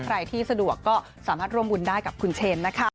ใครที่สะดวกก็สามารถร่วมบุญได้กับคุณเชนนะคะ